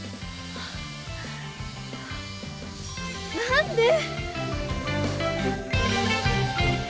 何で！